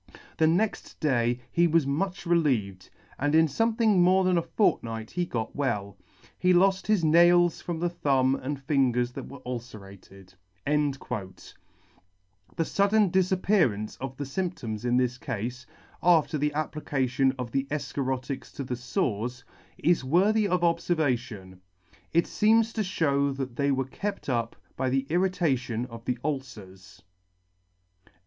The next day he was much relieved, and in fome thing more than a fortnight got well. He loft his nails from the thumb and fingers that were ulcerated, 5 * f '% The fudden difappearance of the lymptoms in this cafe, after the application of the efcharotics to the fores, is worthy of obfer vation; it feems to fhew that they were kept up by the irritation of the ulcers.